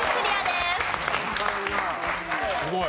すごい。